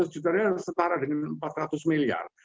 seratus juta real setara dengan empat ratus miliar